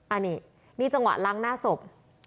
อันนี้นี่จังหวะล้างหน้าศพ